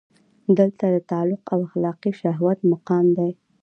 دلته د تعقل او اخلاقي شهود مقام دی.